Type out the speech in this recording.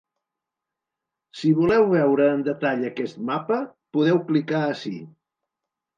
Si voleu veure en detall aquest mapa, podeu clicar ací.